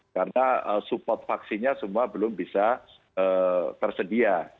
karena support vaksinnya semua belum bisa tersedia